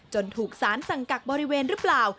ถูกสารสั่งกักบริเวณหรือเปล่า